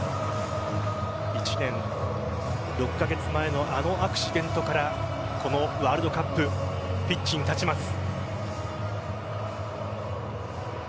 １年６カ月前のあのアクシデントからこのワールドカップピッチに立ちます。